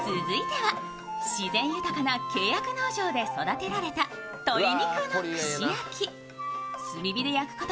続いては、自然豊かな契約農場で育てられた鶏肉の串焼き。